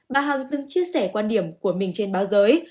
bà hằng từng chia sẻ quan điểm của mình trên báo giới